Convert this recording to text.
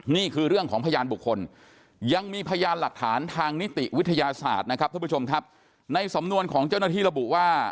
นี่คือเรื่องของพยานบุคคลยังมีพยานหลักฐานทางนิติวิทยาศาสตร์นะครับท่านผู้ชมครับในสำนวนของเจ้าหน้าที่ระบุว่า